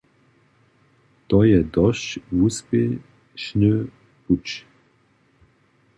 To je dosć wuspěšny puć.